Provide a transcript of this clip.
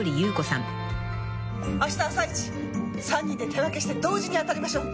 「あした朝一３人で手分けして同時にあたりましょう」